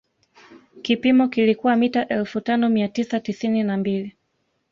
Kipimo kilikuwa mita elfu tano mia tisa tisini na mbili